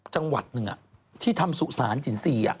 จังหวัดนึงอ่ะที่ทำสุสานจริงอ่ะ